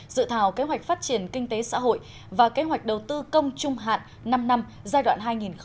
dự thảo kế hoạch phát triển kinh tế xã hội và kế hoạch đầu tư công trung hạn năm năm giai đoạn hai nghìn hai mươi một hai nghìn hai mươi năm